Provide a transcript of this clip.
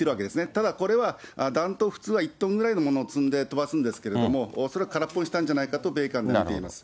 ただこれは弾頭、普通は１トンぐらいのものを飛ばすんですけれども、恐らく空っぽにしたんではないかと米韓では見ています。